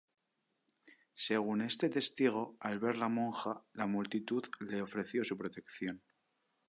Según este testigo, al ver a la monja, la multitud le ofreció su protección.